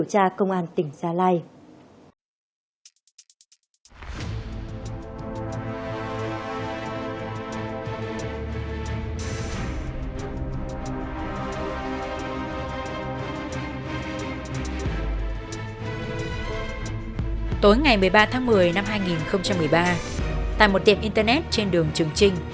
tối ngày một mươi ba tháng một mươi năm hai nghìn một mươi ba tại một tiệm internet trên đường trường trinh